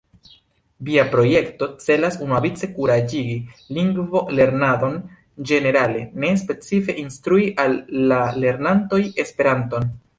Via projekto celas unuavice kuraĝigi lingvolernadon ĝenerale, ne specife instrui al la lernantoj Esperanton.